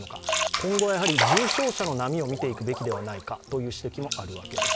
今後は重症者の波を見ていくべきではないかという指摘もあるわけです。